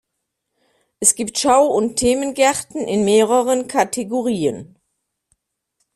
Es gibt Schau- und Themengärten in mehreren Kategorien.